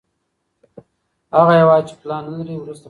هغه هېواد چي پلان نلري، وروسته پاته پاته کېږي.